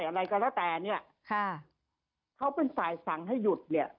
อะไรก็แล้วแต่เนี่ยค่ะเขาเป็นฝ่ายสั่งให้หยุดเนี่ย